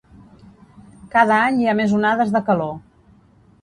Cada any hi ha més onades de calor.